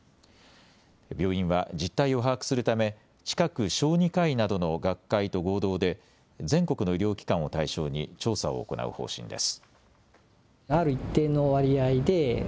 病院は実態を把握するため近く小児科医などの学会と合同で全国の医療機関を対象に調査を行う方針です。